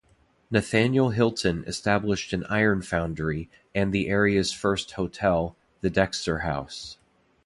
Nathaniel Tilton established an iron foundry and the area's first hotel, the Dexter House.